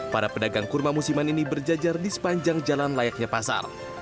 para pedagang kurma musiman ini berjajar di sepanjang jalan layaknya pasar